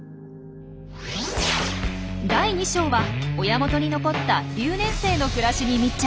第２章は親元に残った留年生の暮らしに密着。